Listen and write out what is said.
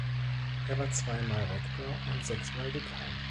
Er war zweimal Rektor und sechsmal Dekan.